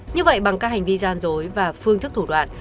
như vậy bằng các hành vi gian dối và phương thức thủ đoạn